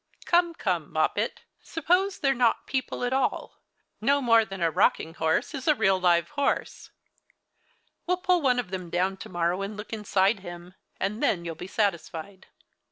" Come, come, Moppet, suppose they're not people at all — no more than a rocking horse is a real live 94 The Christmas Hirelings. horse. We'll pull one of them down to mor row and look inside him ; and then you'll be satisfied."